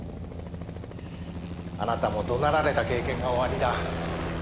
あなたも怒鳴られた経験がおありだ。